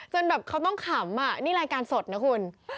แบบเขาต้องขำนี่รายการสดนะคุณ